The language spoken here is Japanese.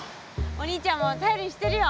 お兄ちゃんも頼りにしてるよ。